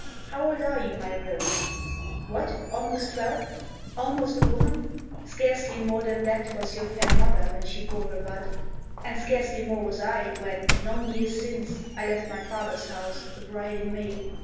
How old are you, my rose? What! almost twelve? Almost a woman? Scarcely more than that Was your fair mother when she bore her bud; And scarcely more was I when, long years since, I left my father's house, a bride in May.